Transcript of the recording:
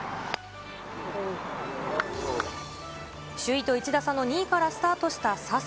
首位と１打差の２位からスタートした笹生。